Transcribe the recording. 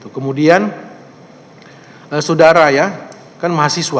kemudian saudara ya kan mahasiswa